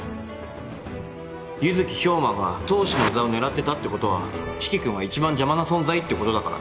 弓月兵馬が当主の座を狙ってたってことは四鬼君は一番邪魔な存在ってことだからね